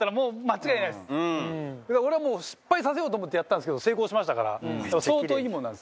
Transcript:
俺はもう失敗させようと思ってやったんですけど成功しましたから相当いいものなんです。